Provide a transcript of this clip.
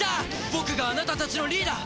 僕があなたたちのリーダー！